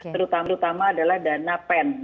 terutama adalah dana pen